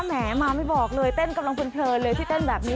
แหมมาไม่บอกเลยเต้นกำลังเพลินเลยที่เต้นแบบนี้